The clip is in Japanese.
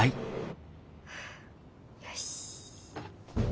よし。